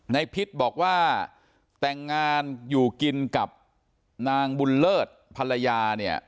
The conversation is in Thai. พิษบอกว่าแต่งงานอยู่กินกับนางบุญเลิศภรรยาเนี่ย